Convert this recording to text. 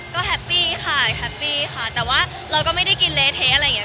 ก็แฮปปี้ค่ะแฮปปี้ค่ะแต่ว่าเราก็ไม่ได้กินเละเทะอะไรอย่างนี้